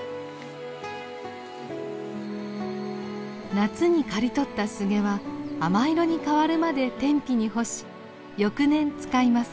夏に刈り取ったスゲは亜麻色に変わるまで天日に干し翌年使います。